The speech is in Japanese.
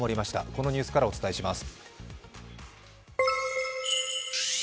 このニュースからお伝えします。